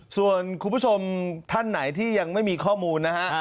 ส่วนคุณผู้ชมท่านไหนที่ยังไม่มีข้อมูลนะฮะ